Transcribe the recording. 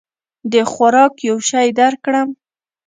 د خوراک یو شی درکړم؟